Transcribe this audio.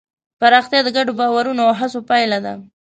پراختیا د ګډو باورونو او هڅو پایله ده.